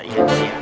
iya ini dia